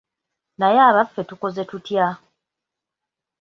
Naye abaffe tukoze tutya?